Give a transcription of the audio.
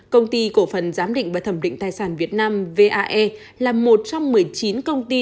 công ty cổ phần giám định và thẩm định tài sản việt nam vae là một trong một mươi chín công ty